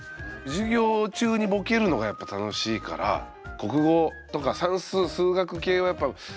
授業中にボケるのがやっぱ楽しいから国語とか算数数学系はやっぱボケやすいんすよね